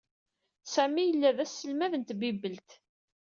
Sami yella d aselmad n tbibelt.